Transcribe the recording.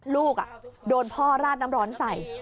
ลูกโดนพ่อราดน้ำร้อนใส่